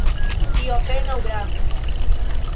Tio apenaŭ gravis.